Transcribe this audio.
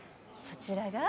そちらが？